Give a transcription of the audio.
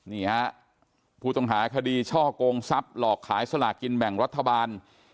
นี่ฮะผู้ต้องหาคดีช่อกงทรัพย์หลอกขายสลากินแบ่งรัฐบาล